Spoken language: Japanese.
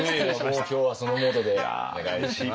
もう今日はそのモードでお願いします。